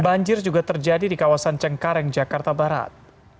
banjir juga terjadi di kawasan cengkareng jakarta barat